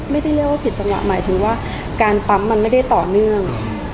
เรียกว่าผิดจังหวะหมายถึงว่าการปั๊มมันไม่ได้ต่อเนื่อง